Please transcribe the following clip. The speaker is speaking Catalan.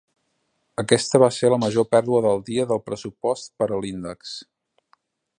Aquesta va ser la major pèrdua del dia del pressupost per a l'índex.